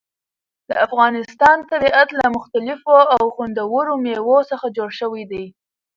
د افغانستان طبیعت له مختلفو او خوندورو مېوو څخه جوړ شوی دی.